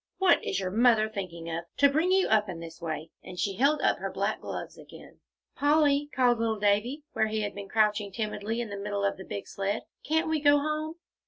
What is your mother thinking of, to bring you up in this way?" And she held up her black gloves again. "Polly," called little Davie, where he had been crouching timidly in the middle of the big sled, "can't we go home?"